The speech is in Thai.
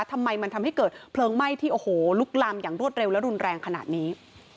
ทำไมมันทำให้เกิดเพลิงไหม้ที่โอ้โหลุกลามอย่างรวดเร็วและรุนแรงขนาดนี้